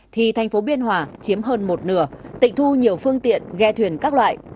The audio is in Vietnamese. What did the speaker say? thì thành phố biên hòa chiếm hơn một nửa tịch thu nhiều phương tiện ghe thuyền các loại